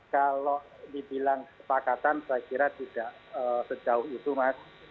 kalau dibilang kesepakatan saya kira tidak sejauh itu mas